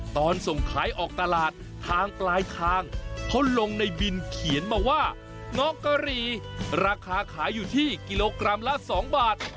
ตอนส่งขายออกตลาดทางปลายทางเขาลงในบินเขียนมาว่าเงาะกะหรี่ราคาขายอยู่ที่กิโลกรัมละ๒บาท